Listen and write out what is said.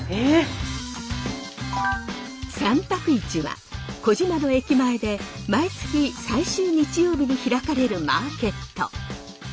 三白市は児島の駅前で毎月最終日曜日に開かれるマーケット。